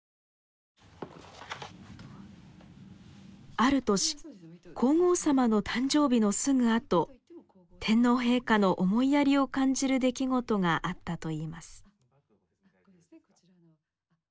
ある年皇后さまの誕生日のすぐあと天皇陛下の思いやりを感じる出来事があったといいます。